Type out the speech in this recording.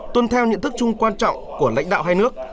tuân theo nhận thức chung quan trọng của lãnh đạo hai nước